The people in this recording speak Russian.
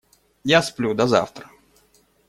Я сплю, до завтра!